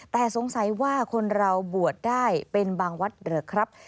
แต่สงสัยว่าคนเราบวชได้เป็นบางวัดหรือครับ